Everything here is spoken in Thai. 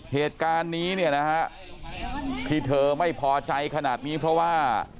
เหตุการณ์นี้เนี่ยนะฮะที่เธอไม่พอใจขนาดนี้เพราะว่า